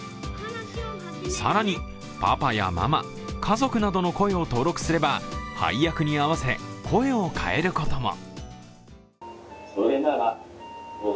更に、パパやママ、家族などの声を登録すれば配役に合わせ、声を変えることも。